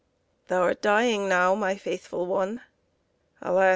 Thou'rt dying now, my faithful one, Alas!